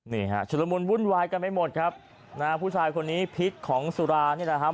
นี่ฮะชุดละมุนวุ่นวายกันไปหมดครับนะฮะผู้ชายคนนี้พิษของสุรานี่แหละครับ